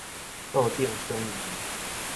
桌頂耍奕